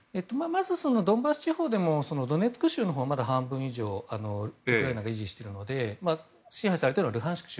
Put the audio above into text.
まずドンバス地方でもドネツク州のほうはまだ半分以上ウクライナが維持しているので支配されているのはルハンシク